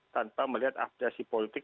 tanpa melihat aplikasi politik